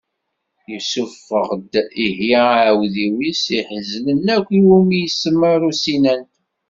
Yessufeɣ-d ihi aεudiw-is ihezlen akk iwumi isemma Rusinant